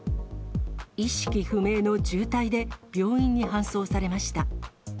意識不明の重体で、病院に搬送されました。